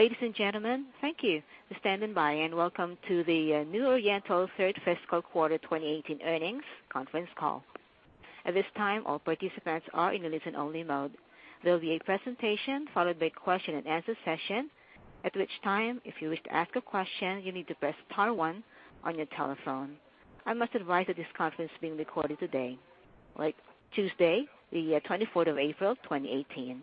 Ladies and gentlemen, thank you. Standby and welcome to the New Oriental third fiscal quarter 2018 earnings conference call. At this time, all participants are in a listen-only mode. There will be a presentation, followed by question and answer session. At which time, if you wish to ask a question, you need to press star one on your telephone. I must advise that this conference is being recorded today, Tuesday, the 24th of April, 2018.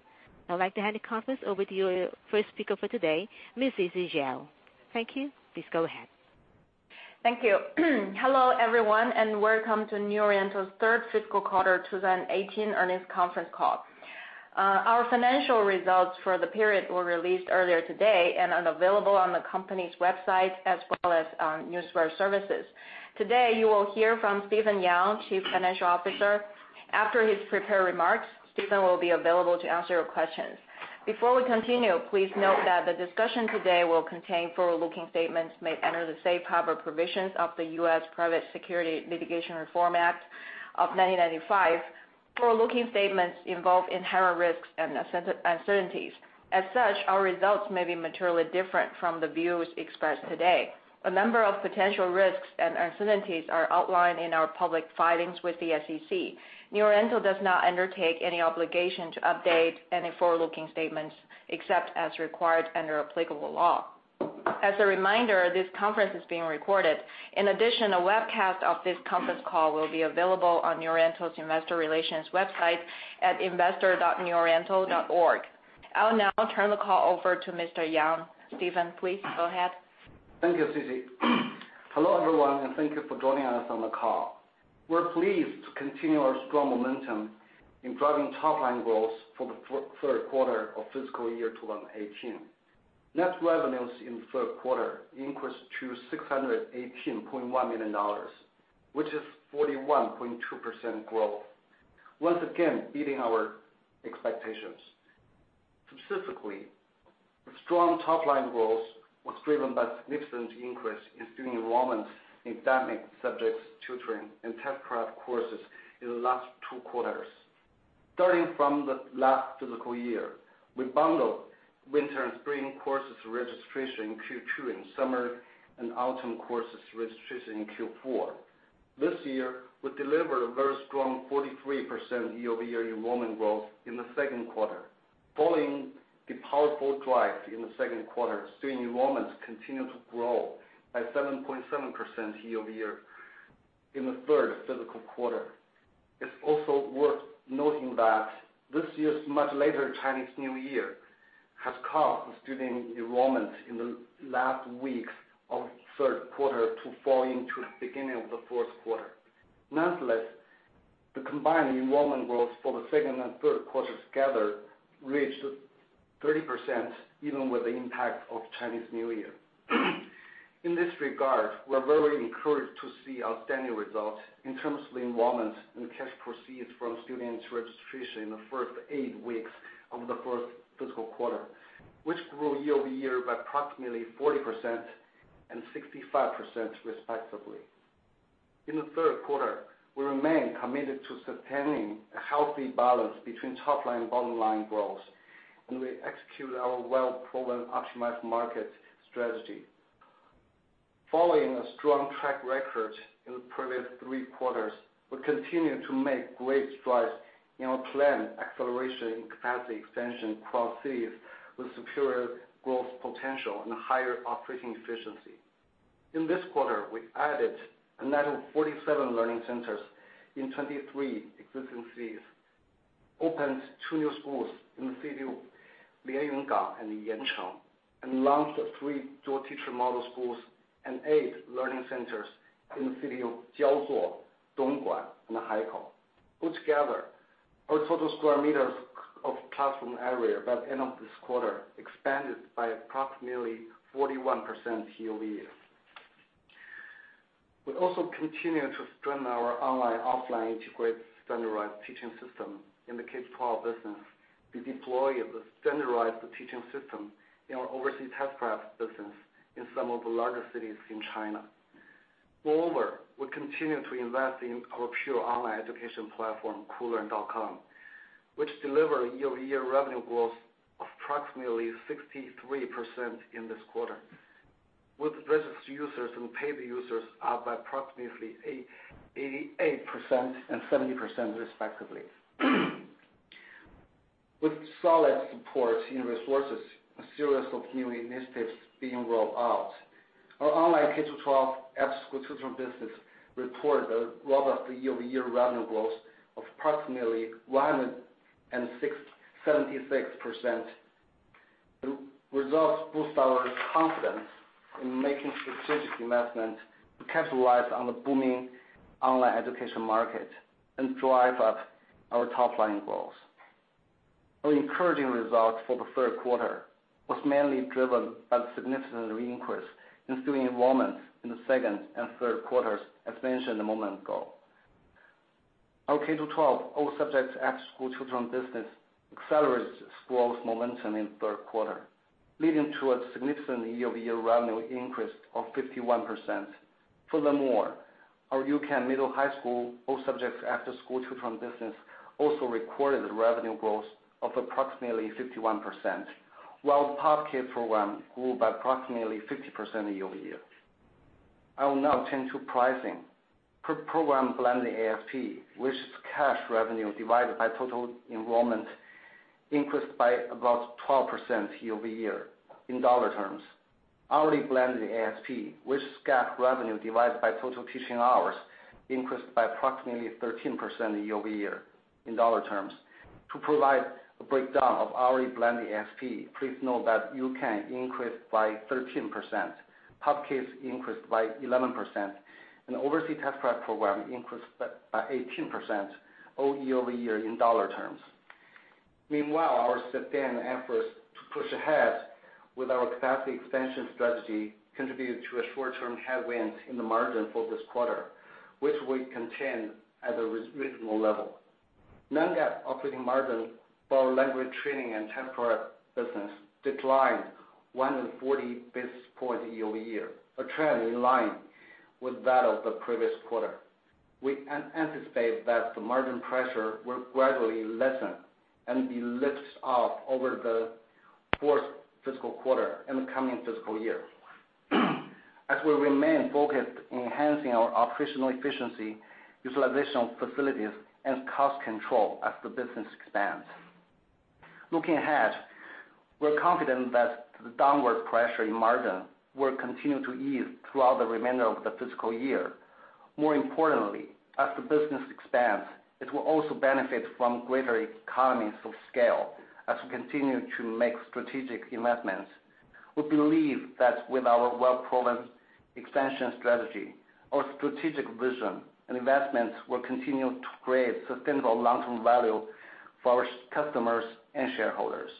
I'd like to hand the conference over to you, first speaker for today, Ms. Sisi Zhao. Thank you. Please go ahead. Thank you. Hello, everyone, welcome to New Oriental's third fiscal quarter 2018 earnings conference call. Our financial results for the period were released earlier today and are available on the company's website as well as newswire services. Today, you will hear from Stephen Yang, Chief Financial Officer. After his prepared remarks, Stephen will be available to answer your questions. Before we continue, please note that the discussion today will contain forward-looking statements made under the safe harbor provisions of the U.S. Private Securities Litigation Reform Act of 1995. Forward-looking statements involve inherent risks and uncertainties. As such, our results may be materially different from the views expressed today. A number of potential risks and uncertainties are outlined in our public filings with the SEC. New Oriental does not undertake any obligation to update any forward-looking statements except as required under applicable law. As a reminder, this conference is being recorded. In addition, a webcast of this conference call will be available on New Oriental's Investor Relations website at investor.neworiental.org. I'll now turn the call over to Mr. Yang. Stephen, please go ahead. Thank you, Sisi. Hello, everyone, thank you for joining us on the call. We're pleased to continue our strong momentum in driving top-line growth for the third quarter of fiscal year 2018. Net revenues in the third quarter increased to $618.1 million, which is 41.2% growth, once again meeting our expectations. Specifically, strong top-line growth was driven by significant increase in student enrollment in dynamic subjects, tutoring, and test prep courses in the last two quarters. Starting from the last fiscal year, we bundled winter and spring courses registration in Q2 and summer and autumn courses registration in Q4. This year, we delivered a very strong 43% year-over-year enrollment growth in the second quarter. Following the powerful drive in the second quarter, student enrollments continued to grow at 7.7% year-over-year in the third fiscal quarter. It's also worth noting that this year's much later Chinese New Year has caused student enrollment in the last weeks of the third quarter to fall into the beginning of the fourth quarter. Nonetheless, the combined enrollment growth for the second and third quarters together reached 30%, even with the impact of Chinese New Year. In this regard, we're very encouraged to see outstanding results in terms of the enrollment and cash proceeds from students registration in the first eight weeks of the fourth fiscal quarter, which grew year-over-year by approximately 40% and 65% respectively. In the third quarter, we remain committed to sustaining a healthy balance between top-line and bottom-line growth. We execute our well-proven optimized market strategy. Following a strong track record in the previous three quarters, we continue to make great strides in our planned acceleration in capacity expansion across cities with superior growth potential and higher operating efficiency. In this quarter, we added a net of 47 learning centers in 23 existing cities, opened two new schools in the city of Lianyungang and Yancheng. We launched three dual-teacher model schools and eight learning centers in the city of Jiaozuo, Dongguan, and Haikou. Put together, our total square meters of classroom area by the end of this quarter expanded by approximately 41% year-over-year. We also continue to strengthen our online/offline integrated standardized teaching system in the K-12 business. We deploy the standardized teaching system in our overseas test prep business in some of the largest cities in China. Moreover, we continue to invest in our pure online education platform, Koolearn.com, which delivered year-over-year revenue growth of approximately 63% in this quarter, with registered users and paying users up by approximately 88% and 70% respectively. With solid support in resources, a series of new initiatives being rolled out, our online K-12 app school tutoring business reported a robust year-over-year revenue growth of approximately 176%. The results boost our confidence in making strategic investments to capitalize on the booming online education market and drive up our top-line growth. Our encouraging results for the third quarter was mainly driven by the significant increase in student enrollment in the second and third quarters, as mentioned a moment ago. Our K-12 all subjects after-school children business accelerated growth momentum in the third quarter, leading to a significant year-over-year revenue increase of 51%. Furthermore, our U-Can middle high school, all subjects after-school tutoring business also recorded revenue growth of approximately 51%, while the POP Kids program grew by approximately 50% year-over-year. I will now turn to pricing. Per program blended ASP, which is cash revenue divided by total enrollment, increased by about 12% year-over-year in dollar terms. Hourly blended ASP, which is GAAP revenue divided by total teaching hours, increased by approximately 13% year-over-year in dollar terms. To provide a breakdown of hourly blended ASP, please note that U-Can increased by 13%, POP Kids increased by 11%. Overseas test-prep program increased by 18% all year-over-year in dollar terms. Meanwhile, our sustained efforts to push ahead with our capacity expansion strategy contributed to a short-term headwind in the margin for this quarter, which we contain at a reasonable level. Non-GAAP operating margin for our language training and test-prep business declined 140 basis points year-over-year, a trend in line with that of the previous quarter. We anticipate that the margin pressure will gradually lessen and be lifted off over the fourth fiscal quarter and the coming fiscal year. As we remain focused on enhancing our operational efficiency, utilization of facilities, and cost control as the business expands. Looking ahead, we're confident that the downward pressure in margin will continue to ease throughout the remainder of the fiscal year. More importantly, as the business expands, it will also benefit from greater economies of scale as we continue to make strategic investments. We believe that with our well-proven expansion strategy, our strategic vision and investments will continue to create sustainable long-term value for our customers and shareholders.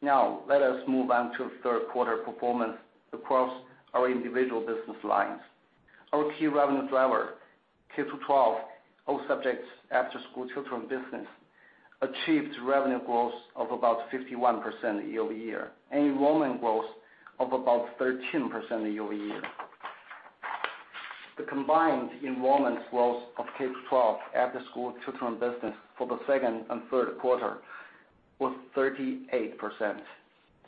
Now, let us move on to third quarter performance across our individual business lines. Our key revenue driver, K-12, all subjects after-school tutoring business, achieved revenue growth of about 51% year-over-year, and enrollment growth of about 13% year-over-year. The combined enrollment growth of K-12 after-school tutoring business for the second and third quarter was 38%.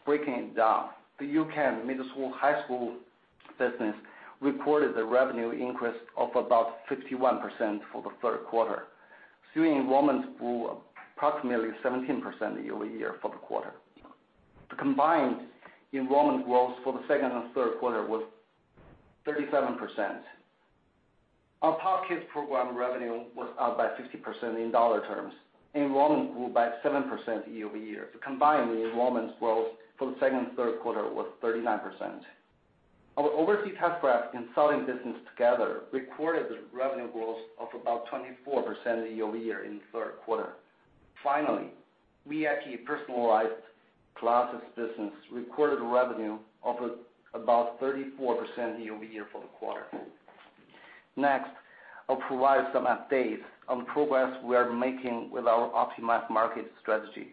Breaking it down, the U-Can middle school and high school business reported a revenue increase of about 51% for the third quarter. Student enrollment grew approximately 17% year-over-year for the quarter. The combined enrollment growth for the second and third quarter was 37%. Our POP Kids program revenue was up by 50% in dollar terms. Enrollment grew by 7% year-over-year. The combined enrollment growth for the second and third quarter was 39%. Our overseas test-prep and tutoring business together recorded a revenue growth of about 24% year-over-year in the third quarter. Finally, VIP personalized classes business recorded revenue of about 34% year-over-year for the quarter. Next, I'll provide some updates on progress we are making with our optimized market strategy.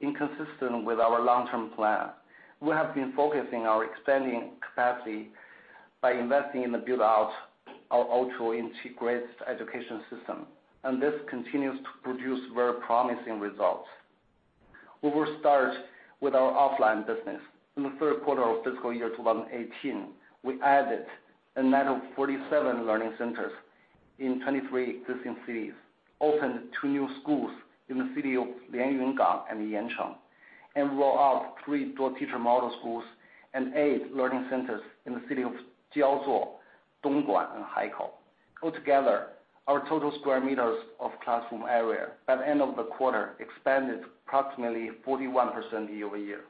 Consistent with our long-term plan, we have been focusing on expanding capacity by investing in the build-out of O2O integrated education system. This continues to produce very promising results. We will start with our offline business. In the third quarter of fiscal year 2018, we added a net of 47 learning centers in 23 existing cities, opened two new schools in the city of Lianyungang and Yancheng, and rolled out three dual-teacher model schools and eight learning centers in the city of Jiaozuo, Dongguan and Haikou. Altogether, our total sq m of classroom area by the end of the quarter expanded approximately 41% year-over-year.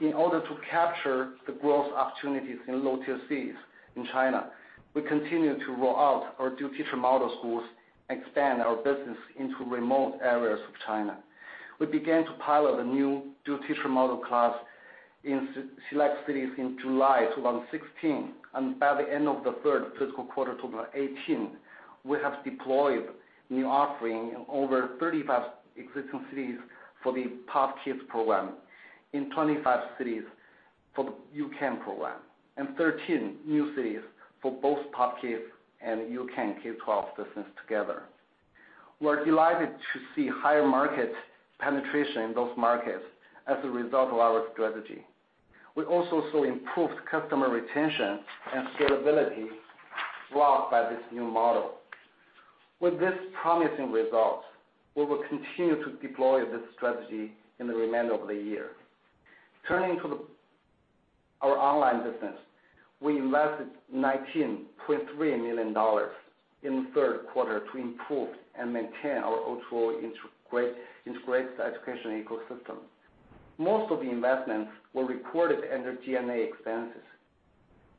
In order to capture the growth opportunities in low-tier cities in China, we continue to roll out our dual-teacher model schools and expand our business into remote areas of China. We began to pilot a new dual-teacher model class in select cities in July 2016. By the end of the third fiscal quarter, October 2018, we have deployed new offering in over 35 existing cities for the POP Kids program, in 25 cities for the U-Can program, and 13 new cities for both POP Kids and U-Can K-12 business together. We're delighted to see higher market penetration in those markets as a result of our strategy. We also saw improved customer retention and scalability brought by this new model. With this promising result, we will continue to deploy this strategy in the remainder of the year. Turning to our online business. We invested $19.3 million in the third quarter to improve and maintain our O2O integrated education ecosystem. Most of the investments were recorded under G&A expenses.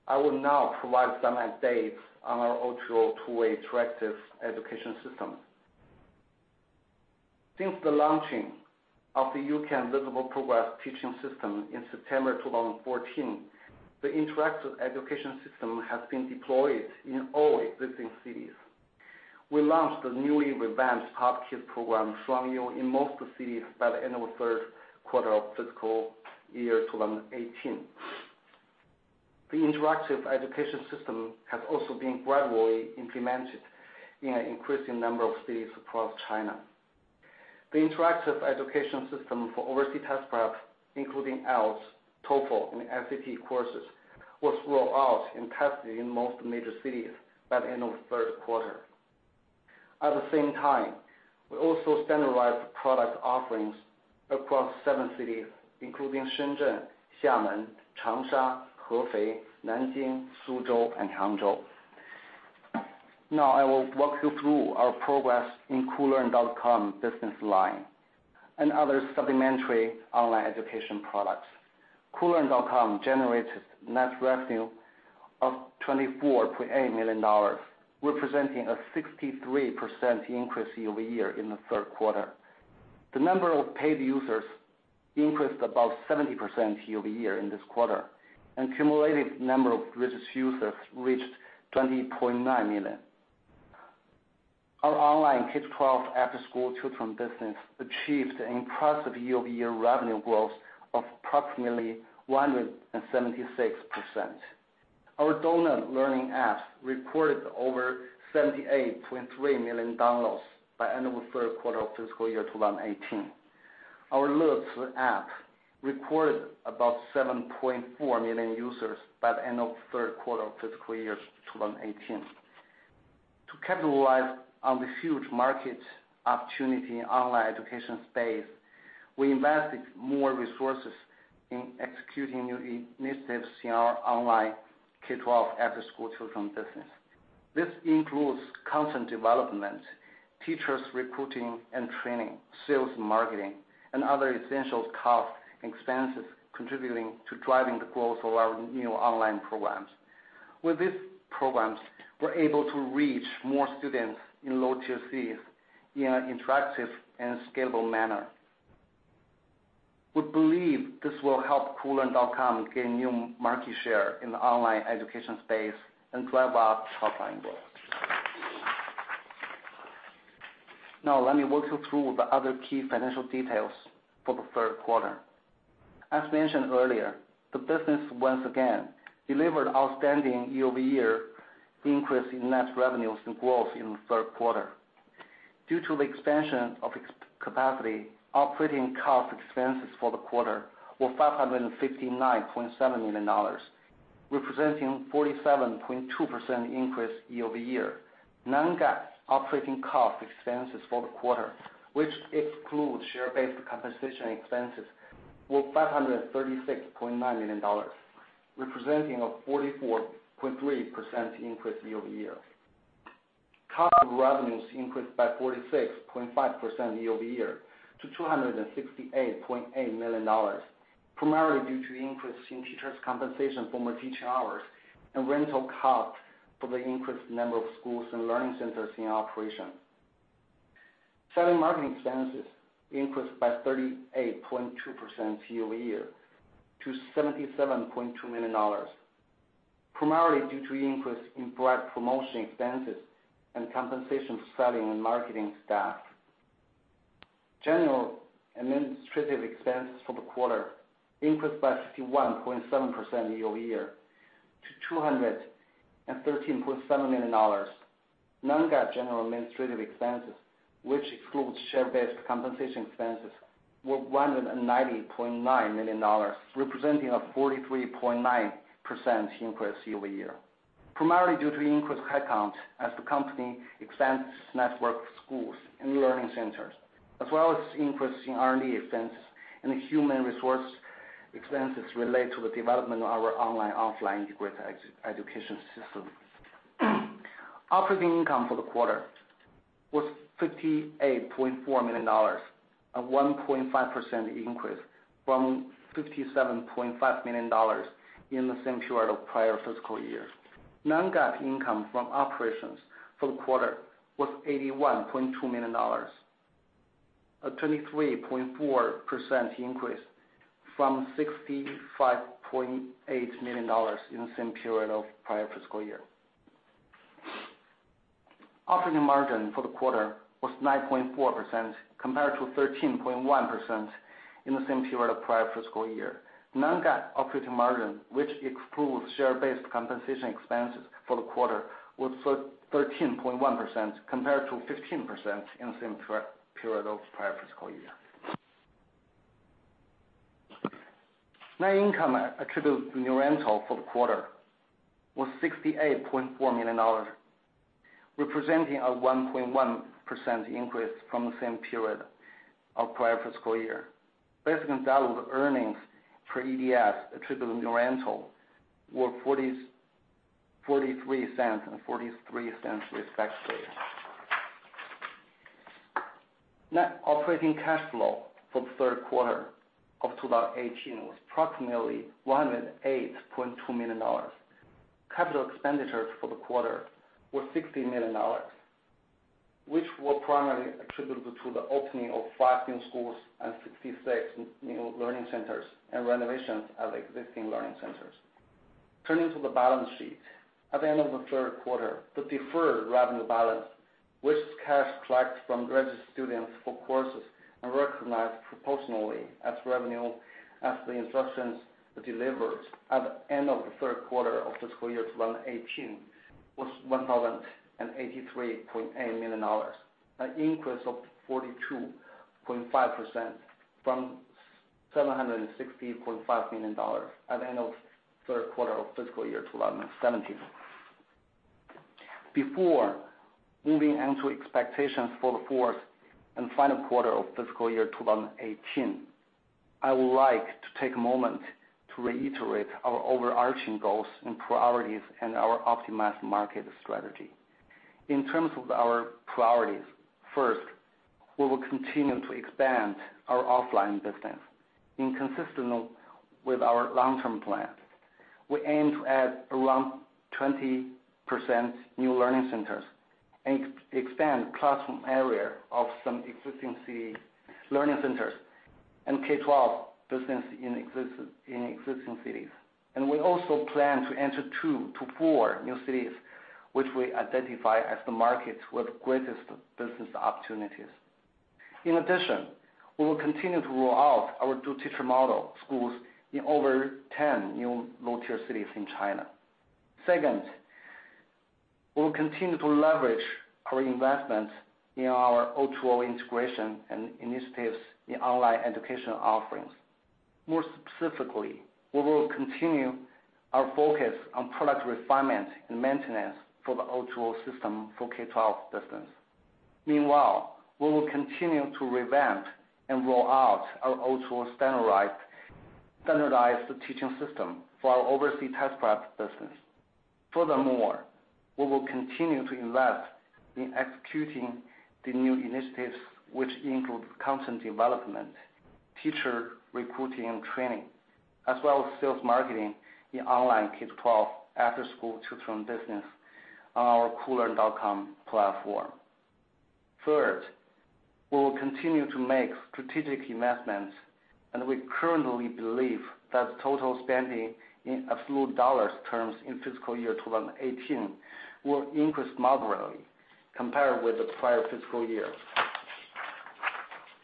I will now provide some updates on our O2O two-way interactive education system. Since the launching of the U-Can Visible Progress teaching system in September 2014, the interactive education system has been deployed in all existing cities. We launched the newly revamped POP Kids program Shuangyu in most cities by the end of the third quarter of fiscal year 2018. The interactive education system has also been gradually implemented in an increasing number of cities across China. The interactive education system for overseas test prep, including IELTS, TOEFL, and SAT courses, was rolled out and tested in most major cities by the end of the third quarter. At the same time, we also standardized product offerings across seven cities, including Shenzhen, Xiamen, Changsha, Hefei, Nanjing, Suzhou, and Hangzhou. Now, I will walk you through our progress in Koolearn.com business line and other supplementary online education products. Koolearn.com generated net revenue of $24.8 million, representing a 63% increase year-over-year in the third quarter. The number of paid users increased about 70% year-over-year in this quarter. Accumulated number of registered users reached 20.9 million. Our online K-12 after-school children business achieved an impressive year-over-year revenue growth of approximately 176%. Our Doughnut Learning app recorded over 78.3 million downloads by end of the third quarter of fiscal year 2018. Our LeCi app recorded about 7.4 million users by the end of the third quarter of fiscal year 2018. To capitalize on the huge market opportunity in online education space, we invested more resources in executing new initiatives in our online K-12 after-school children business. This includes content development, teachers recruiting and training, sales and marketing, and other essential costs and expenses contributing to driving the growth of our new online programs. With these programs, we're able to reach more students in low tier cities in an interactive and scalable manner. We believe this will help Koolearn.com gain new market share in the online education space and drive up top-line growth. Now, let me walk you through the other key financial details for the third quarter. As mentioned earlier, the business once again delivered outstanding year-over-year increase in net revenues and growth in the third quarter. Due to the expansion of capacity, operating cost expenses for the quarter were $559.7 million, representing 47.2% increase year-over-year. Non-GAAP operating cost expenses for the quarter, which excludes share-based compensation expenses, were $536.9 million, representing a 44.3% increase year-over-year. Cost of revenues increased by 46.5% year-over-year to $268.8 million, primarily due to increase in teachers' compensation for more teaching hours and rental cost for the increased number of schools and learning centers in operation. Selling and marketing expenses increased by 38.2% year-over-year to $77.2 million, primarily due to increase in broad promotion expenses and compensation for selling and marketing staff. General and administrative expenses for the quarter increased by 51.7% year-over-year to $213.7 million. Non-GAAP general administrative expenses, which excludes share-based compensation expenses, were $190.9 million, representing a 43.9% increase year-over-year, primarily due to increased headcount as the company expands its network of schools and learning centers, as well as increase in R&D expenses and human resource expenses related to the development of our online/offline integrated education system. Operating income for the quarter was $58.4 million, a 1.5% increase from $57.5 million in the same period of prior fiscal year. Non-GAAP income from operations for the quarter was $81.2 million, a 23.4% increase from $65.8 million in the same period of prior fiscal year. Operating margin for the quarter was 9.4% compared to 13.1% in the same period of prior fiscal year. Non-GAAP operating margin, which excludes share-based compensation expenses for the quarter, was 13.1% compared to 15% in the same period of prior fiscal year. Net income attributed to New Oriental for the quarter was $68.4 million, representing a 1.1% increase from the same period of prior fiscal year. Basic and diluted earnings per ADS attributable to New Oriental were $0.43 and $0.43, respectively. Net operating cash flow for the third quarter of 2018 was approximately $108.2 million. Capital expenditures for the quarter were $60 million, which were primarily attributable to the opening of 5 new schools and 66 new learning centers, and renovations at existing learning centers. Turning to the balance sheet. At the end of the third quarter, the deferred revenue balance, which is cash collected from registered students for courses and recognized proportionally as revenue as the instructions were delivered at the end of the third quarter of fiscal year 2018, was $1,083.8 million, an increase of 42.5% from $760.5 million at the end of the third quarter of fiscal year 2017. Before moving on to expectations for the fourth and final quarter of fiscal year 2018, I would like to take a moment to reiterate our overarching goals and priorities and our optimized market strategy. In terms of our priorities, first, we will continue to expand our offline business in consistent with our long-term plan. We aim to add around 20% new learning centers and expand classroom area of some existing learning centers and K-12 business in existing cities. We also plan to enter 2 to 4 new cities, which we identify as the markets with greatest business opportunities. In addition, we will continue to roll out our dual-teacher model schools in over 10 new low-tier cities in China. Second, we will continue to leverage our investments in our O2O integration and initiatives in online education offerings. More specifically, we will continue our focus on product refinement and maintenance for the O2O system for K-12 business. Meanwhile, we will continue to revamp and roll out our O2O standardized teaching system for our overseas test prep business. Furthermore, we will continue to invest in executing the new initiatives, which include content development, teacher recruiting and training, as well as sales marketing in online K-12 after-school tutoring business on our koolearn.com platform. Third, we will continue to make strategic investments, and we currently believe that total spending in absolute dollar terms in fiscal year 2018 will increase moderately compared with the prior fiscal year.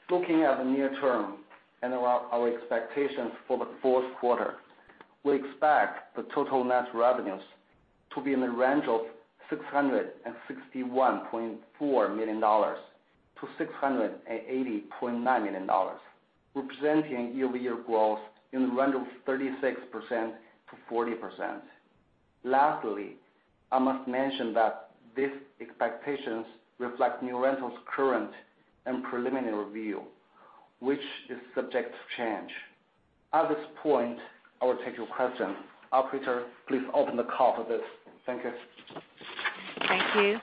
Looking at the near term and our expectations for the fourth quarter, we expect the total net revenues to be in the range of $661.4 million to $680.9 million, representing year-over-year growth in the range of 36%-40%. Lastly, I must mention that these expectations reflect New Oriental's current and preliminary review, which is subject to change. At this point, I will take your questions. Operator, please open the call for this. Thank you. Thank you.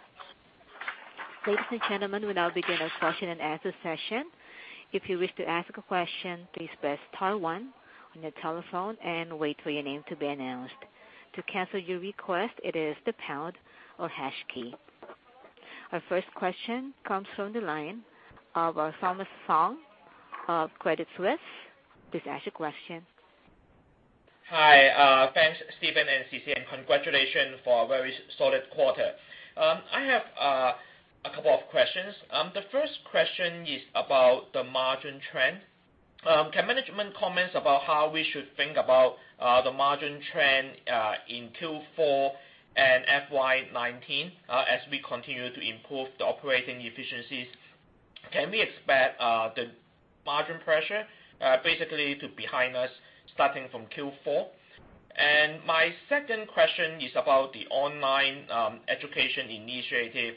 Ladies and gentlemen, we'll now begin a question and answer session. If you wish to ask a question, please press star one on your telephone and wait for your name to be announced. To cancel your request, it is the pound or hash key. Our first question comes from the line of Thomas Chong of Credit Suisse. Please ask your question. Hi. Thanks, Stephen and Sisi, and congratulations for a very solid quarter. I have a couple of questions. The first question is about the margin trend. Can management comment about how we should think about the margin trend in Q4 and FY 2019 as we continue to improve the operating efficiencies? Can we expect the margin pressure basically to behind us starting from Q4? My second question is about the online education initiative.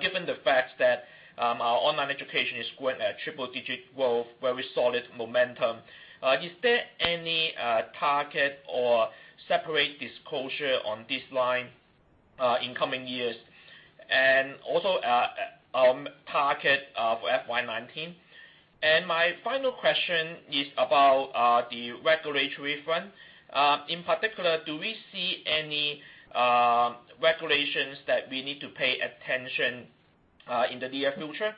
Given the fact that our online education is growing at triple digit growth, very solid momentum, is there any target or separate disclosure on this line in coming years? Also, target for FY 2019? My final question is about the regulatory front. In particular, do we see any regulations that we need to pay attention in the near future?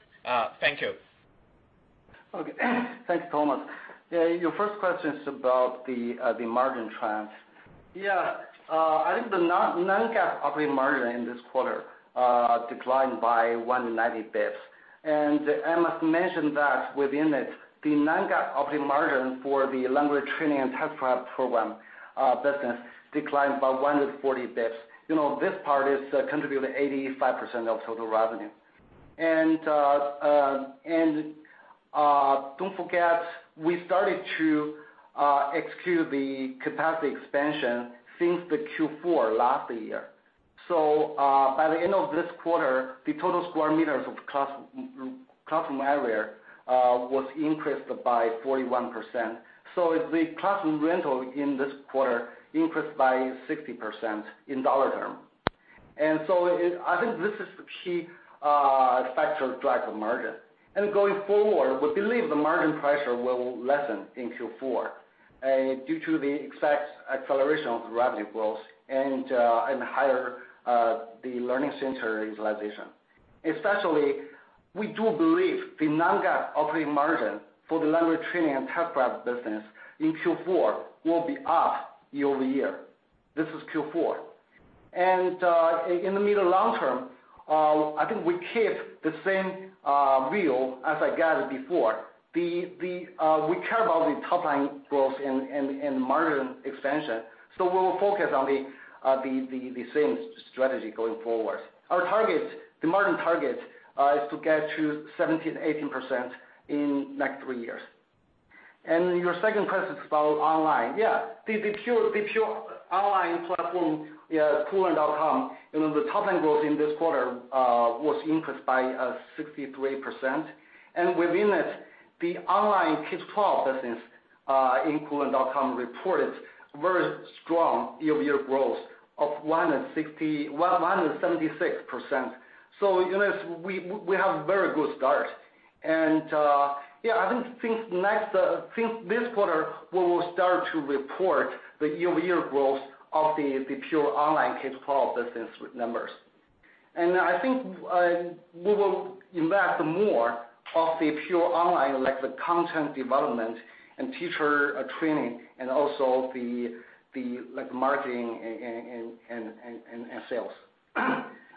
Thank you. Okay. Thanks, Thomas. Your first question is about the margin trends. I think the Non-GAAP operating margin this quarter declined by 190 basis points. I must mention that within it, the Non-GAAP operating margin for the language training and test prep program business declined by 140 basis points. This part is contributing to 85% of total revenue. Don't forget, we started to execute the capacity expansion since the Q4 last year. By the end of this quarter, the total square meters of classroom area was increased by 41%. The classroom rental in this quarter increased by 60% in dollar term. I think this is the key factor driving the margin. Going forward, we believe the margin pressure will lessen in Q4 due to the exact acceleration of the revenue growth and higher the learning center utilization. Especially, we do believe the Non-GAAP operating margin for the language training and test prep business in Q4 will be up year-over-year. This is Q4. In the medium long term, I think we keep the same view as I guided before. We care about the top line growth and margin expansion, we will focus on the same strategy going forward. Our margin target is to get to 17%-18% in the next three years. Your second question is about online. The pure online platform, Koolearn.com, the top line growth in this quarter was increased by 63%. Within it, the online K-12 business in Koolearn.com reported very strong year-over-year growth of 176%. We have a very good start. I think this quarter, we will start to report the year-over-year growth of the pure online K-12 business numbers. I think we will invest more of the pure online, like the content development and teacher training, and also the marketing and sales.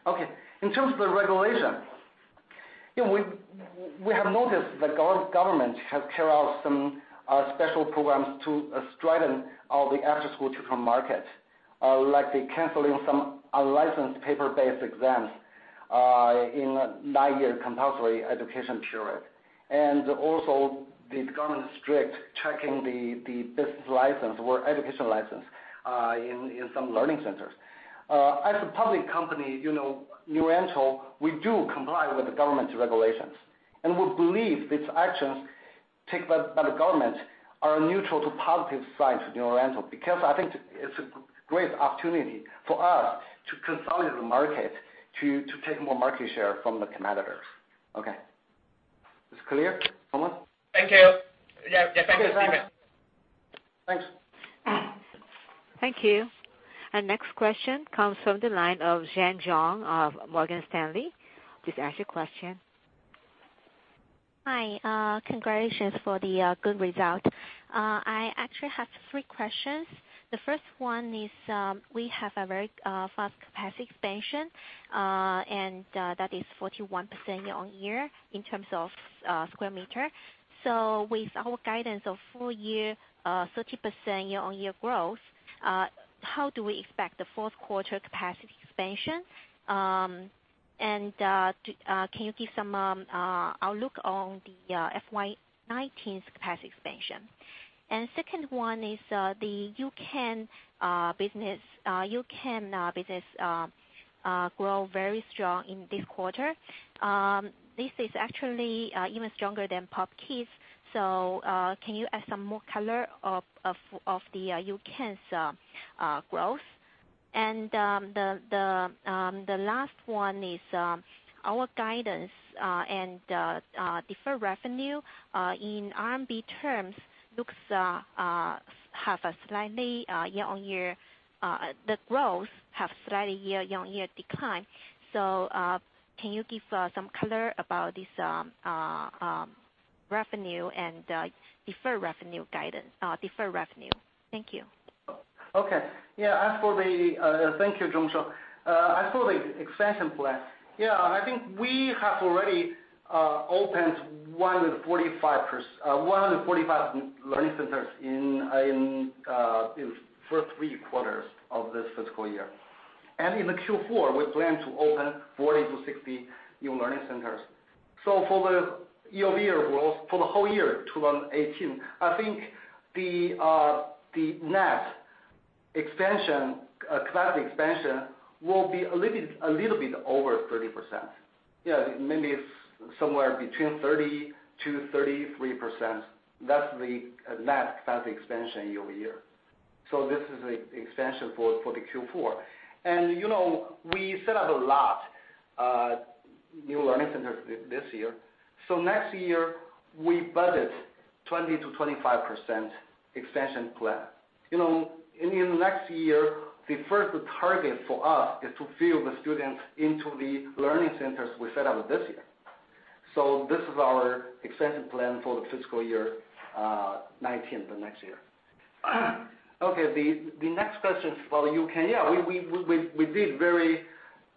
Okay. In terms of the regulation, we have noticed the government has carried out some special programs to straighten out the after-school tutor market, like the canceling some unlicensed paper-based exams in nine-year compulsory education period. Also the government is strict checking the business license or education license in some learning centers. As a public company, New Oriental, we do comply with the government regulations, and we believe these actions taken by the government are a neutral to positive sign to New Oriental, because I think it's a great opportunity for us to consolidate the market, to take more market share from the competitors. Okay. It's clear, Thomas? Thank you. Yeah. Thank you, Stephen. Thanks. Thank you. Next question comes from the line of Sheng Zhong of Morgan Stanley. Please ask your question. Hi. Congratulations for the good result. I actually have three questions. The first one is, we have a very fast capacity expansion, that is 41% year-on-year in terms of sq m. With our guidance of full year, 30% year-on-year growth, how do we expect the fourth quarter capacity expansion? Can you give some outlook on the FY 2019 capacity expansion? Second one is the U-Can business grow very strong in this quarter. This is actually even stronger than POP Kids. Can you add some more color of the U-Can's growth? The last one is our guidance and deferred revenue in RMB terms, the growth have slightly year-on-year decline. Can you give some color about this revenue and deferred revenue guidance? Thank you. Okay. Thank you, Zhong. As for the expansion plan, I think we have already opened 145 learning centers in the first three quarters of this fiscal year. In the Q4, we plan to open 40 to 60 new learning centers. For the year-over-year growth, for the whole year 2018, I think the net class expansion will be a little bit over 30%. Maybe somewhere between 32%-33%. That's the net class expansion year-over-year. This is the expansion for the Q4. We set up a lot new learning centers this year. Next year, we budget 20%-25% expansion plan. In the next year, the first target for us is to fill the students into the learning centers we set up this year. This is our expansion plan for the fiscal year 2019, the next year. Okay, the next question is for the U-Can. Yeah, we did very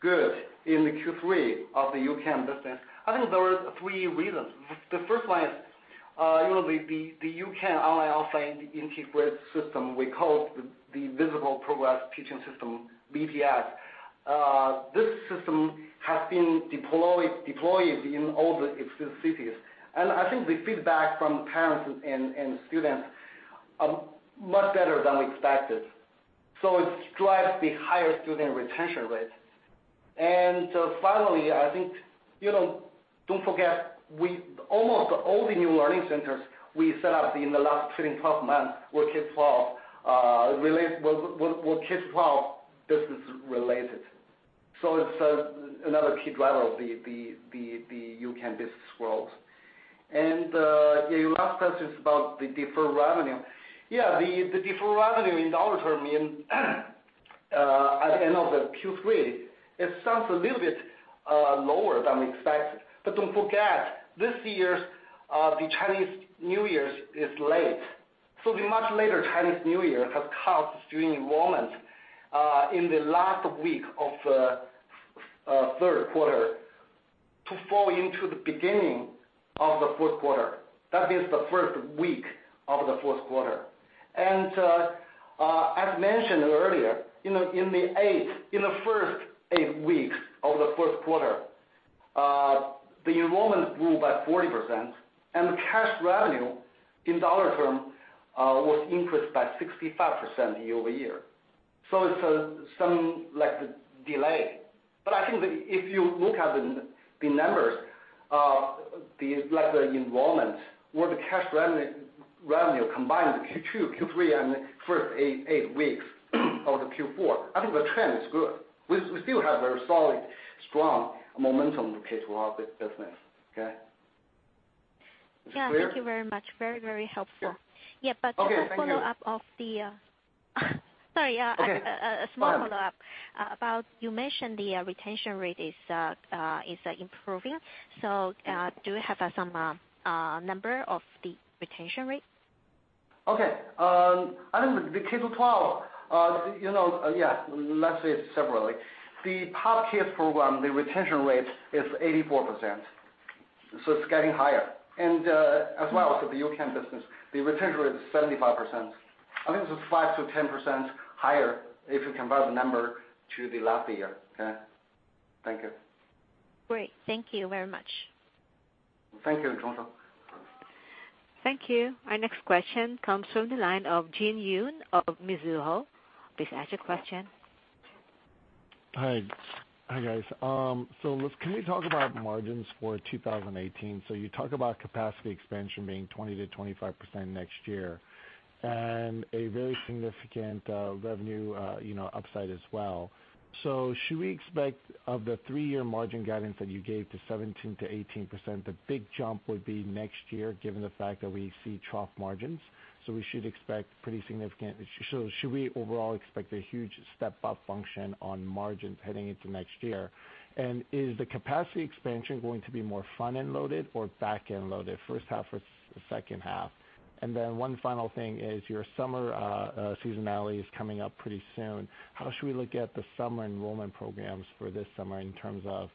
good in the Q3 of the U-Can business. I think there are three reasons. The first one is, the U-Can online offline integrated system, we call the Visible Progress Teaching System, VPTS. This system has been deployed in all the existing cities. I think the feedback from parents and students are much better than expected. It drives the higher student retention rate. Finally, I think, don't forget, almost all the new learning centers we set up in the last 12 months were K-12 business related. It's another key driver of the U-Can business growth. Your last question is about the deferred revenue. Yeah, the deferred revenue in dollar term at the end of the Q3 sounds a little bit lower than we expected. Don't forget, this year, the Chinese New Year is late. The much later Chinese New Year has caused student enrollment in the last week of third quarter to fall into the beginning of the fourth quarter. That is the first week of the fourth quarter. As mentioned earlier, in the first eight weeks of the fourth quarter, the enrollment grew by 40%, and the cash revenue, in dollar term, was increased by 65% year-over-year. It's something like the delay. I think that if you look at the numbers, like the enrollment or the cash revenue combined Q2, Q3, and the first eight weeks of the Q4, I think the trend is good. We still have very solid, strong momentum in the K-12 business. Okay? Yeah. Is it clear? Thank you very much. Very helpful. Yeah. Okay. Thank you. Yeah, just a follow-up of the Sorry. Okay, go ahead. A small follow-up about you mentioned the retention rate is improving. Do we have some number of the retention rate? Okay. I think the K-12, let's say it separately. The top tier program, the retention rate is 84%, it's getting higher. As well, the U-Can business, the retention rate is 75%. I think this is 5%-10% higher if you compare the number to the last year. Okay. Thank you. Great. Thank you very much. Thank you, Sheng Zhong. Thank you. Our next question comes from the line of Jin Yoon of Mizuho. Please ask your question. Hi. Hi, guys. Can we talk about margins for 2018? You talk about capacity expansion being 20%-25% next year, and a very significant revenue upside as well. Should we expect, of the 3-year margin guidance that you gave, the 17%-18%, the big jump would be next year given the fact that we see trough margins? Should we overall expect a huge step-up function on margins heading into next year? Is the capacity expansion going to be more front-end loaded or back-end loaded, first half or second half? One final thing is your summer seasonality is coming up pretty soon. How should we look at the summer enrollment programs for this summer in terms of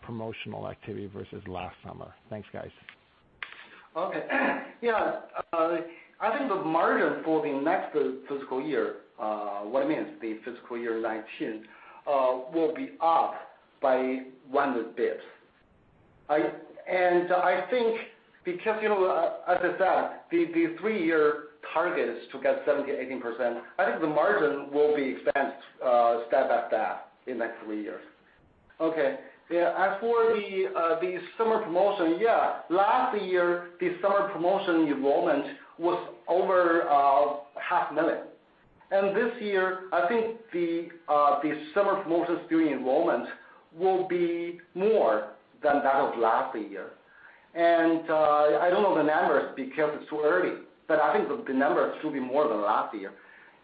promotional activity versus last summer? Thanks, guys. Okay. Yeah. I think the margin for the next fiscal year, what it means, the fiscal year 2019, will be up by 100 basis points. I think because, as I said, the 3-year target is to get 17%-18%, I think the margin will be expanded step by step in next 3 years. Okay. Yeah. As for the summer promotion, yeah, last year, the summer promotion enrollment was over half million. This year, I think the summer promotion student enrollment will be more than that of last year. I don't know the numbers because it's too early, but I think the numbers should be more than last year.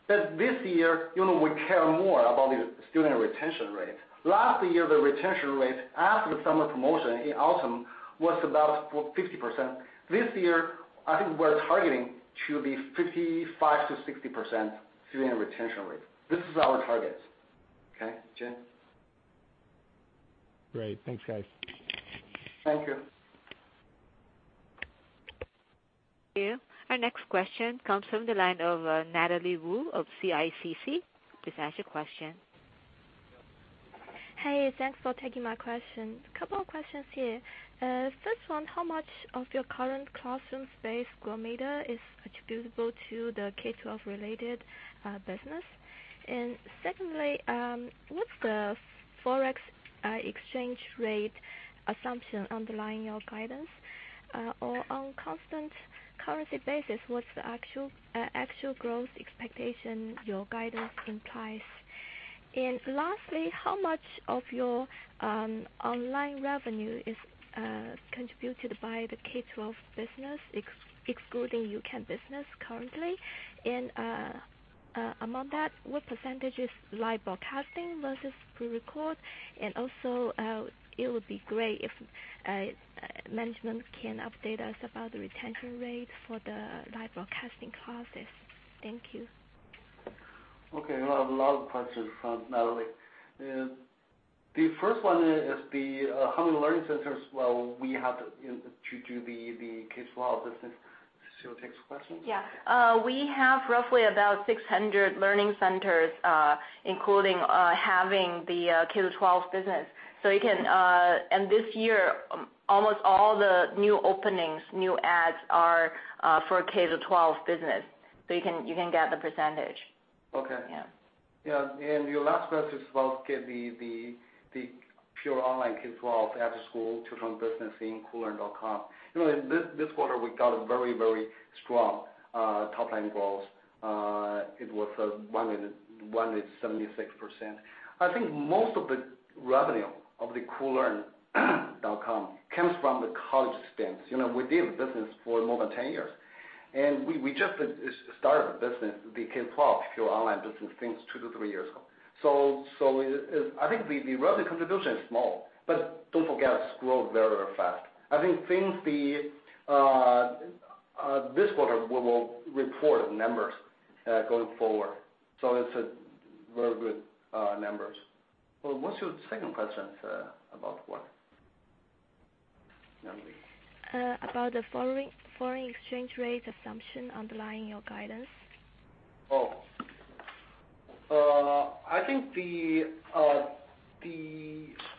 This year, we care more about the student retention rate. Last year, the retention rate after the summer promotion in autumn was about 50%. This year, I think we're targeting to be 55%-60% student retention rate. This is our target. Okay, Jin? Great. Thanks, guys. Thank you. Thank you. Our next question comes from the line of Natalie Wu of CICC. Please ask your question. Hey, thanks for taking my question. Couple of questions here. First one, how much of your current classroom space sq m is attributable to the K-12 related business? Secondly, what's the forex exchange rate assumption underlying your guidance? Or on constant currency basis, what's the actual growth expectation your guidance implies? Lastly, how much of your online revenue is contributed by the K-12 business excluding U-Can business currently? Among that, what % is live broadcasting versus pre-record? Also, it would be great if management can update us about the retention rate for the live broadcasting classes. Thank you. Okay. A lot of questions from Natalie. The first one is the how many learning centers we have to do the K-12 business. Sisi takes the question? Yeah. We have roughly about 600 learning centers including having the K-12 business. This year, almost all the new openings, new adds are for K-12 business, so you can get the %. Okay. Yeah. Yeah. Your last question is about the pure online K-12 after school tutoring business in koolearn.com. This quarter, we got a very strong top-line growth. It was 176%. I think most of the revenue of the koolearn.com comes from the college students. We did business for more than 10 years. We just started the business, the K-12 pure online business, I think two to three years ago. I think the revenue contribution is small, but don't forget it's grown very fast. I think this quarter we will report numbers going forward. It's very good numbers. What's your second question? About what? About the foreign exchange rate assumption underlying your guidance. Oh. I think the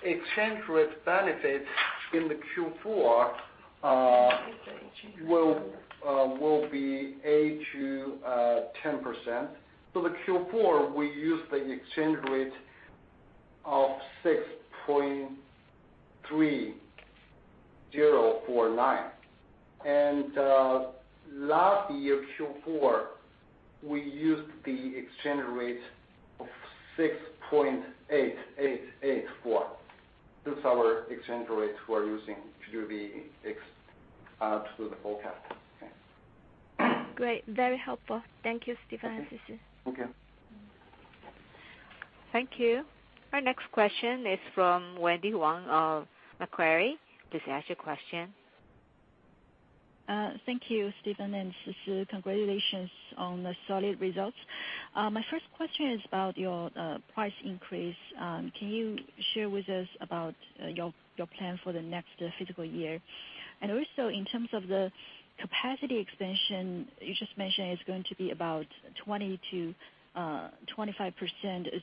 exchange rate benefit in the Q4 will be 8%-10%. For the Q4, we used the exchange rate of 6.3049. Last year, Q4, we used the exchange rate of 6.8884. That's our exchange rate we are using to do the forecast. Great. Very helpful. Thank you, Stephen and Sisi. Okay. Thank you. Our next question is from Wendy Wang of Macquarie. Please ask your question. Thank you, Stephen and Sisi. Congratulations on the solid results. My first question is about your price increase. Can you share with us about your plan for the next fiscal year? Also, in terms of the capacity expansion, you just mentioned it's going to be about 20%-25%,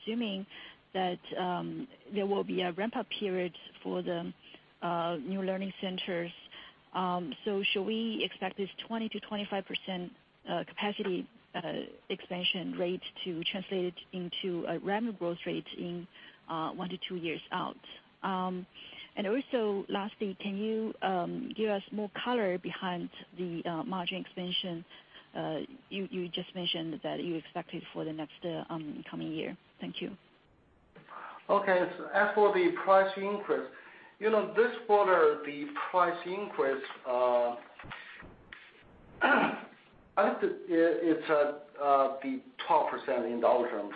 assuming that there will be a ramp-up period for the new learning centers. Should we expect this 20%-25% capacity expansion rate to translate into a revenue growth rate in one to two years out? Also, lastly, can you give us more color behind the margin expansion you just mentioned that you expected for the next coming year? Thank you. As for the price increase, this quarter, the price increase, I think it's the 12% in dollar terms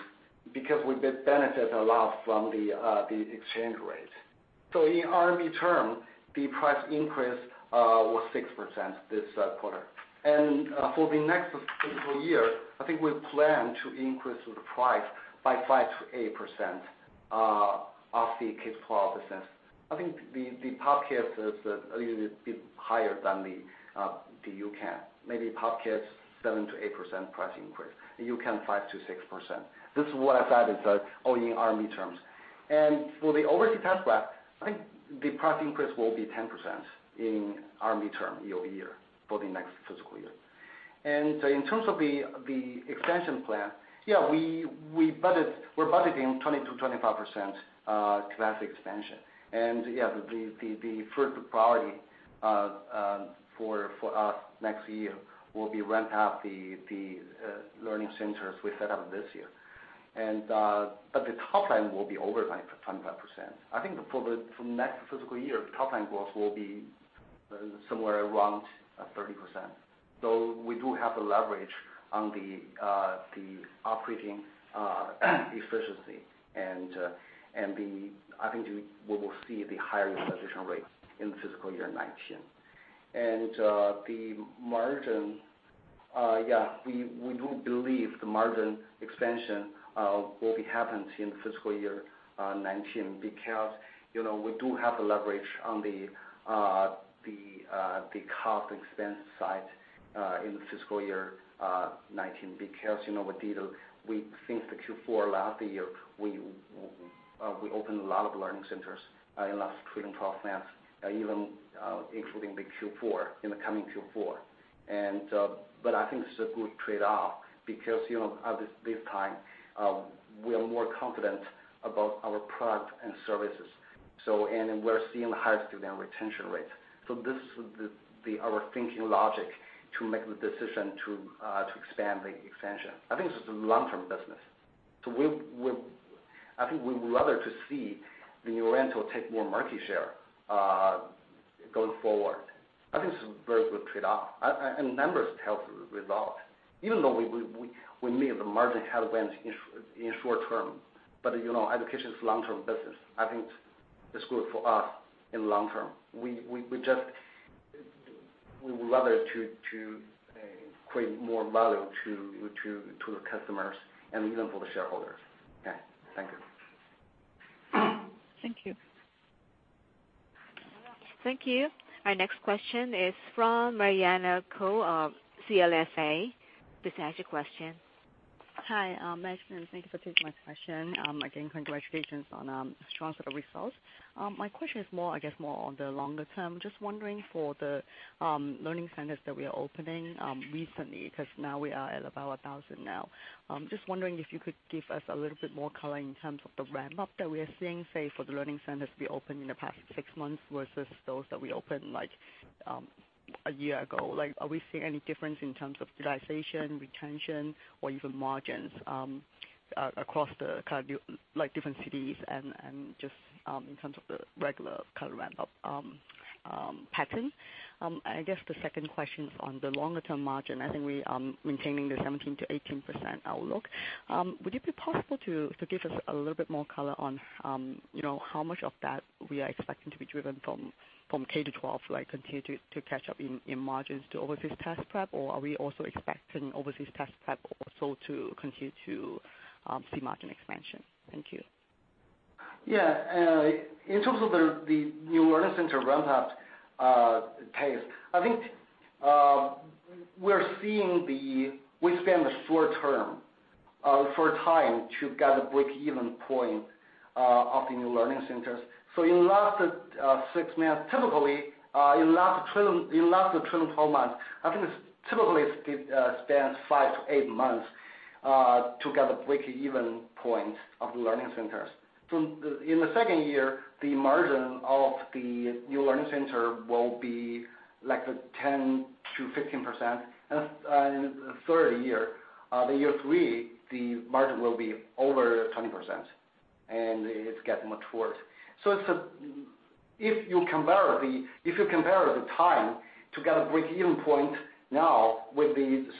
because we benefit a lot from the exchange rate. In RMB, the price increase was 6% this quarter. For the next fiscal year, I think we plan to increase the price by 5%-8% of the K-12 business. I think the POP Kids is a little bit higher than the U-Can. Maybe POP Kids, 7%-8% price increase. U-Can, 5%-6%. This is what I said is all in RMB. For the overseas test prep, I think the price increase will be 10% in RMB year-over-year for the next fiscal year. In terms of the expansion plan, we're budgeting 20%-25% class expansion. The first priority for us next year will be ramp up the learning centers we set up this year. The top line will be over 25%. I think for next fiscal year, top line growth will be somewhere around 30%. We do have the leverage on the operating efficiency, and I think we will see the higher utilization rate in fiscal year 2019. The margin, we do believe the margin expansion will be happening in fiscal year 2019 because we do have the leverage on the cost expense side in fiscal year 2019. With this, we think the Q4 last year, we opened a lot of learning centers in last 12 months, even including the Q4, in the coming Q4. I think it's a good trade-off because at this time, we are more confident about our product and services, and we're seeing higher student retention rates. This is our thinking logic to make the decision to expand the expansion. I think this is a long-term business. I think we would rather to see New Oriental take more market share going forward. I think it's a very good trade-off, and numbers tell the result. Even though we may have a margin headwind in short term, education is long-term business. I think it's good for us in long term. We would rather to create more value to the customers and even for the shareholders. Thank you. Thank you. Thank you. Our next question is from Mariana Kou of CLSA. Please ask your question. Hi, actually thank you for taking my question. Again, congratulations on strong set of results. My question is more, I guess, more on the longer term. Just wondering for the learning centers that were opening recently, because now we are at about 1,000 now. Just wondering if you could give us a little bit more color in terms of the ramp-up that we are seeing, say, for the learning centers we opened in the past six months versus those that we opened a year ago. Are we seeing any difference in terms of utilization, retention, or even margins? Across the different cities and just in terms of the regular kind of ramp-up pattern. I guess the second question is on the longer-term margin. I think we are maintaining the 17%-18% outlook. Would it be possible to give us a little bit more color on how much of that we are expecting to be driven from K-12, continue to catch up in margins to overseas test prep, or are we also expecting overseas test prep also to continue to see margin expansion? Thank you. In terms of the new learning center ramp-up pace, I think we spend a short term, short time to get a break-even point of the new learning centers. In the last six months, typically, in the last 12 months, I think it typically spans five to eight months to get a break-even point of the learning centers. In the second year, the margin of the new learning center will be 10%-15%. In the third year, the year 3, the margin will be over 20%, and it gets much better. If you compare the time to get a break-even point now with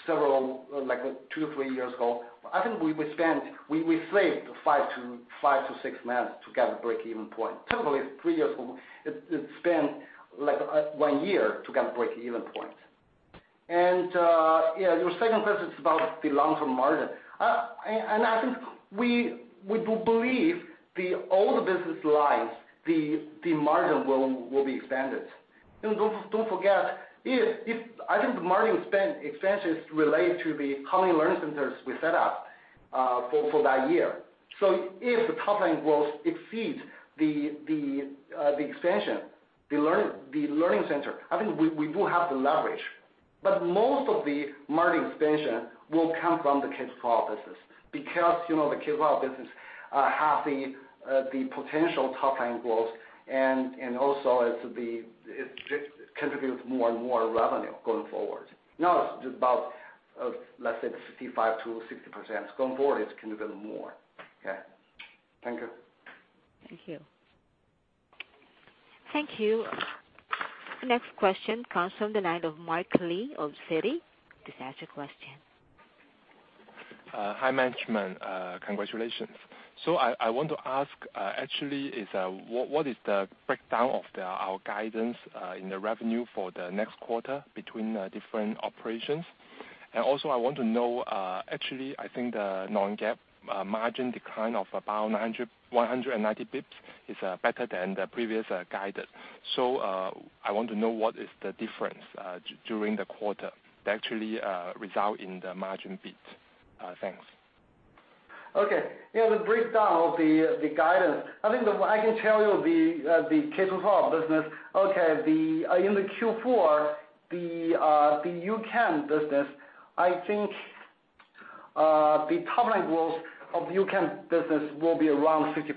several, like two, three years ago, I think we saved five to six months to get a break-even point. Typically, three years ago, it spanned one year to get a break-even point. Your second question is about the long-term margin. I think we do believe all the business lines, the margin will be expanded. Don't forget, I think the margin expansion is related to how many learning centers we set up for that year. If the top-line growth exceeds the expansion, the learning center, I think we will have the leverage. Most of the margin expansion will come from the K-12 business, because the K-12 business has the potential top-line growth and also it contributes more and more revenue going forward. Now it's about, let's say, 55%-60%. Going forward, it's going to be more. Okay. Thank you. Thank you. Thank you. Next question comes from the line of Mark Li of Citi to ask a question. Hi, management. Congratulations. I want to ask actually, what is the breakdown of our guidance in the revenue for the next quarter between different operations? I want to know, actually, I think the Non-GAAP margin decline of about 190 basis points is better than the previous guidance. I want to know what is the difference during the quarter that actually result in the margin beat. Thanks. The breakdown of the guidance. I can tell you the K-12 business. In the Q4, the U-Can business, the top-line growth of U-Can business will be around 50%.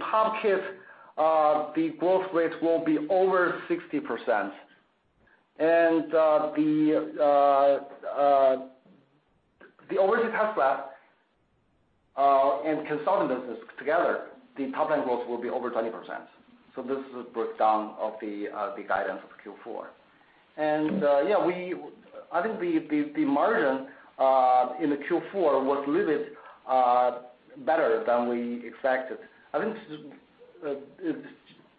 POP Kids, the growth rate will be over 60%. The overseas test prep and consulting business together, the top-line growth will be over 20%. This is a breakdown of the guidance of Q4. The margin in the Q4 was a little better than we expected.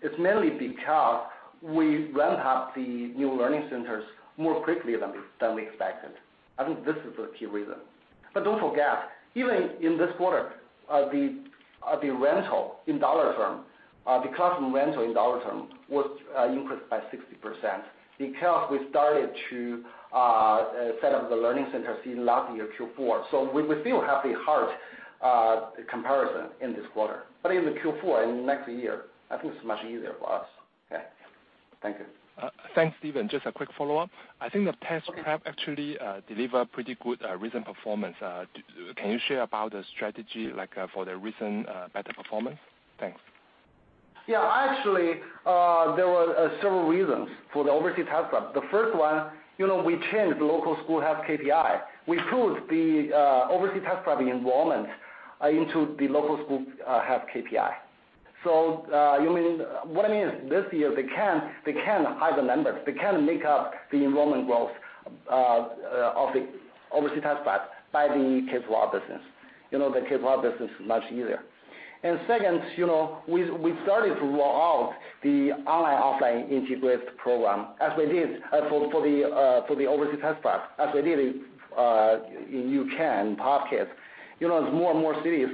It's mainly because we ramped up the new learning centers more quickly than we expected. This is the key reason. Do not forget, even in this quarter, the classroom rental in dollar term increased by 60%, because we started to set up the learning centers in last year Q4. We will still have a hard comparison in this quarter. In the Q4, in next year, it's much easier for us. Thank you. Thanks, Stephen. Just a quick follow-up. The test prep actually delivered pretty good recent performance. Can you share about the strategy for the recent better performance? Thanks. Actually, there were several reasons for the overseas test prep. The first one, we changed local school head's KPI. We put the overseas test prep enrollment into the local school head's KPI. What I mean is, this year, they can't hide the numbers. They can make up the enrollment growth of the overseas test prep by the K-12 business. The K-12 business is much easier. Second, we started to roll out the online, offline integrated program, as we did for the overseas test prep, as we did in U-Can, POP Kids. As more and more cities,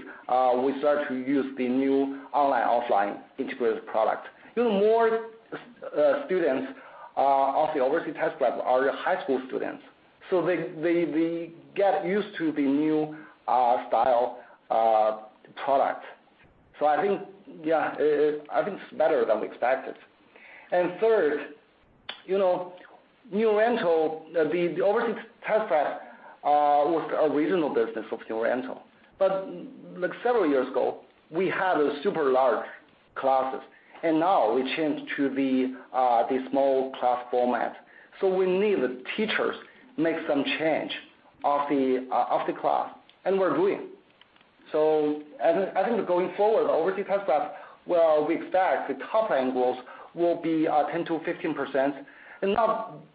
we start to use the new online, offline integrated product. More students of the overseas test prep are high school students, so they get used to the new style product. It's better than we expected. Third, New Oriental, the overseas test prep, was a regional business of New Oriental. Several years ago, we had a super large classes. Now we change to the small class format. We need the teachers make some change of the class, and we're doing. I think going forward, the overseas test prep, we expect the top line growth will be 10%-15%, and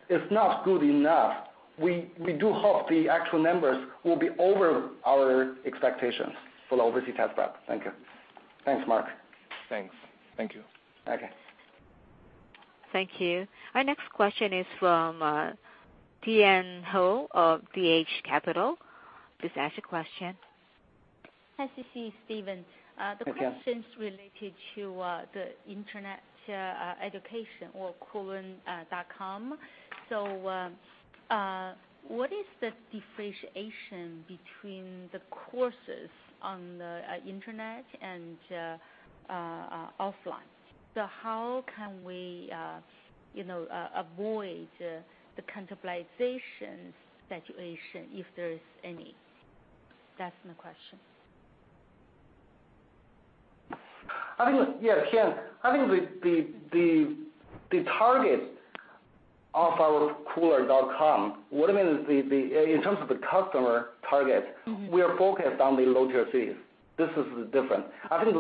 it's not good enough. We do hope the actual numbers will be over our expectations for the overseas test prep. Thank you. Thanks, Mark. Thanks. Thank you. Okay. Thank you. Our next question is from Tian Hou of T.H. Capital. Please ask your question. Hi, Sisi Zhao, Stephen Yang. Hi, Tian Hou. The questions related to the internet education or Koolearn.com. What is the differentiation between the courses on the internet and offline? How can we avoid the cannibalization situation, if there is any? That's my question. Yeah, Tian Hou. I think the target of our Koolearn.com. We are focused on the lower tier cities. This is the difference. I think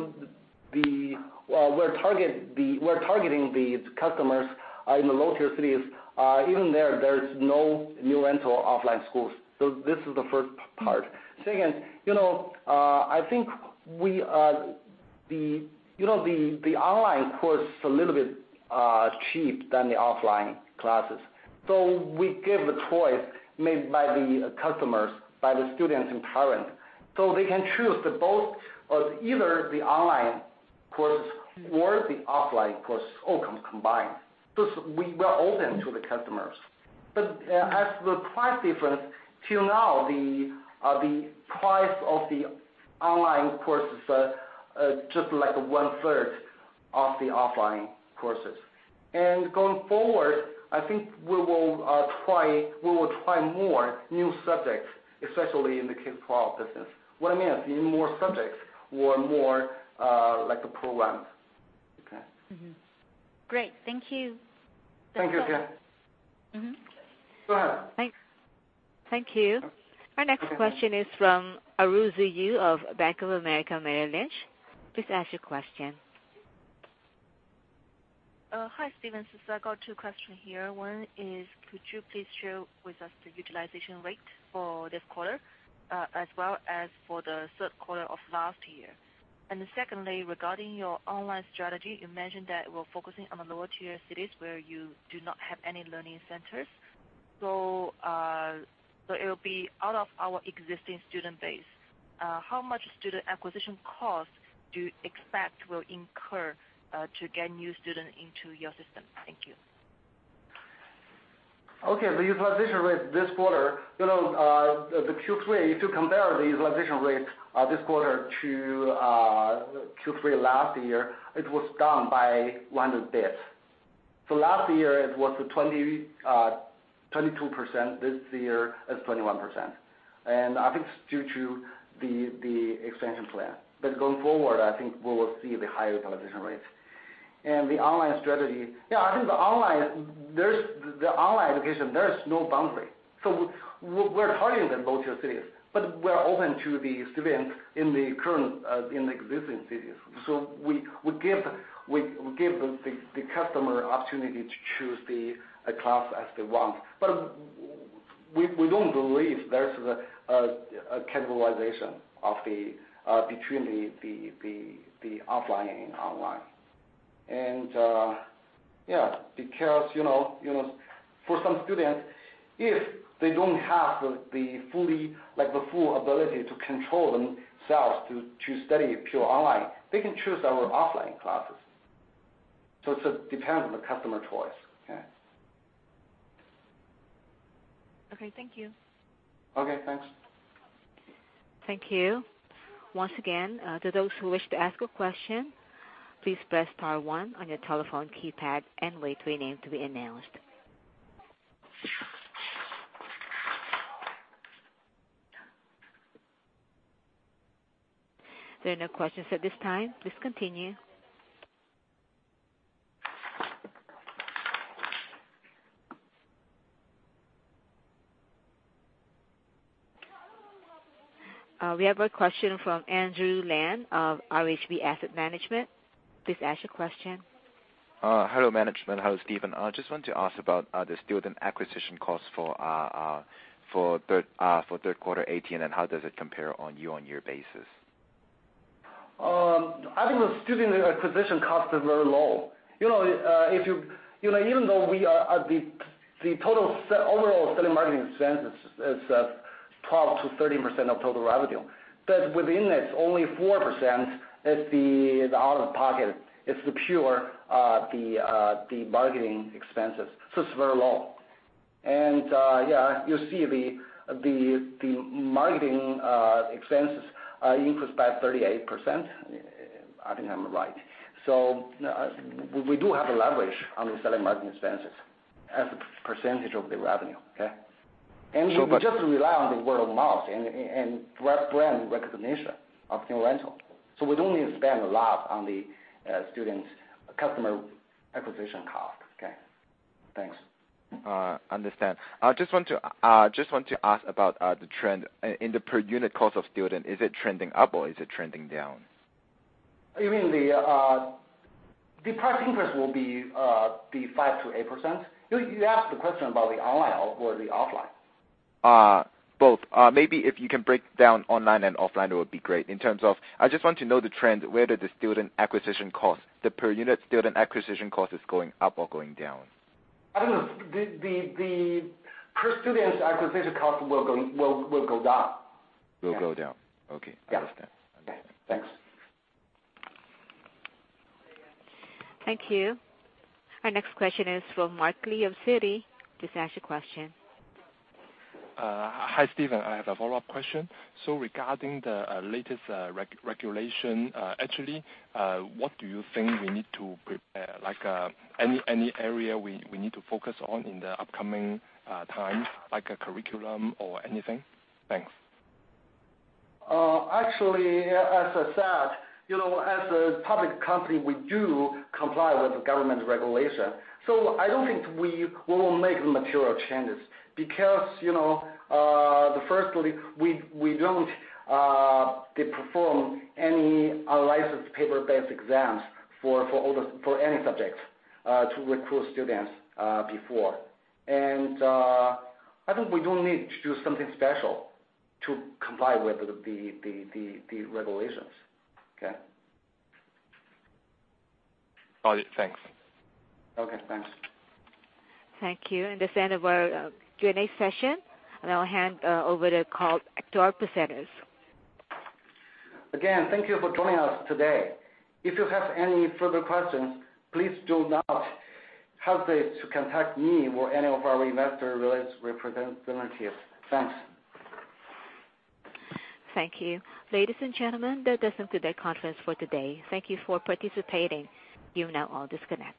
we're targeting the customers in the lower tier cities, even there's no New Oriental offline schools. This is the first part. Second, I think the online course a little bit cheap than the offline classes. We give the choice made by the customers, by the students and parent. They can choose either the online courses or the offline courses, or combined. We are open to the customers. As the price difference, till now, the price of the online courses are just like one-third of the offline courses. Going forward, I think we will try more new subjects, especially in the K-12 business. What I mean is even more subjects, or more programs. Okay? Great. Thank you. Thank you, Tian. Go ahead. Thanks. Thank you. Our next question is from Alex Xie of Bank of America Merrill Lynch. Please ask your question. Hi, Stephen. I got two questions here. One is, could you please share with us the utilization rate for this quarter, as well as for the third quarter of last year? Secondly, regarding your online strategy, you mentioned that we're focusing on the lower tier cities where you do not have any learning centers. It will be out of our existing student base. How much student acquisition cost do you expect will incur, to get new student into your system? Thank you. Okay, the utilization rate this quarter, the Q3, if you compare the utilization rate this quarter to Q3 last year, it was down by 100 basis points. Last year, it was 22%, this year it's 21%. I think it's due to the expansion plan. But going forward, I think we will see the higher utilization rates. The online strategy. Yeah, I think the online education, there is no boundary. We're targeting the lower tier cities, but we're open to the students in the existing cities. We give the customer opportunity to choose the class as they want. But we don't believe there's a cannibalization between the offline and online. Yeah, because for some students, if they don't have the full ability to control themselves to study pure online, they can choose our offline classes. It depends on the customer choice. Okay. Okay. Thank you. Okay. Thanks. Thank you. Once again, to those who wish to ask a question, please press star one on your telephone keypad and wait for your name to be announced. There are no questions at this time. Please continue. We have a question from Andrew Lan of RHB Asset Management. Please ask your question. Hello, management. Hello, Stephen. I just want to ask about the student acquisition cost for third quarter 2018. How does it compare on year-over-year basis? I think the student acquisition cost is very low. Even though the overall selling marketing expense is 12%-13% of total revenue. Within that, only 4% is the out-of-pocket. It's the pure marketing expenses. It's very low. Yeah, you see the marketing expenses increased by 38%. I think I'm right. We do have a leverage on the selling marketing expenses as a percentage of the revenue, okay? We just rely on the word of mouth and brand recognition of New Oriental. We don't need to spend a lot on the student customer acquisition cost. Okay. Thanks. Understand. Just want to ask about the trend in the per unit cost of student. Is it trending up or is it trending down? You mean the price increase will be 5%-8%. You asked the question about the online or the offline? Both. Maybe if you can break down online and offline, it would be great. I just want to know the trend, where did the student acquisition cost, the per unit student acquisition cost is going up or going down? I don't know. The per student acquisition cost will go down. Will go down? Okay. Yeah. Understand. Okay, thanks. Thank you. Our next question is from Mark Li of Citi to ask a question. Hi, Stephen. I have a follow-up question. Regarding the latest regulation, actually, what do you think we need to prepare, like any area we need to focus on in the upcoming times, like a curriculum or anything? Thanks. Actually, as I said, as a public company, we do comply with government regulation. I do not think we will make material changes because, firstly, we do not perform any licensed paper-based exams for any subject to recruit students before. I think we do not need to do something special to comply with the regulations. Okay. Got it, thanks. Okay, thanks. Thank you. That is the end of our Q&A session. I will hand over the call back to our presenters. Again, thank you for joining us today. If you have any further questions, please do not hesitate to contact me or any of our investor relations representatives. Thanks. Thank you. Ladies and gentlemen, that does end the conference for today. Thank you for participating. You now all disconnect.